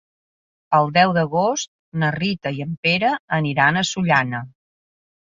El deu d'agost na Rita i en Pere aniran a Sollana.